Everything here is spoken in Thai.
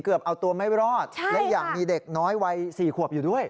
เอาตัวไม่รอดและอย่างมีเด็กน้อยวัย๔ขวบอยู่ด้วย